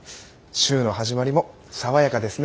週の始まりも爽やかですね。